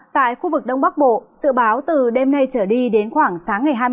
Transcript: tại khu vực đông bắc bộ dự báo từ đêm nay trở đi đến khoảng sáng ngày hai mươi năm